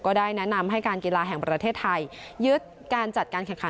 ได้แนะนำให้การกีฬาแห่งประเทศไทยยึดการจัดการแข่งขัน